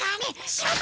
しまった！